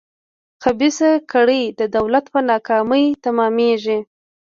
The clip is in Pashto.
خبیثه کړۍ د دولت په ناکامۍ تمامېږي.